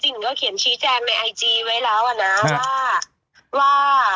หญิงก็เขียนชี้แจงในไอจีไว้แล้วอ่ะนะว่าว่า